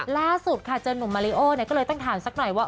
ล่าสุดค่ะเจอนุ่มมาริโอเนี่ยก็เลยต้องถามสักหน่อยว่า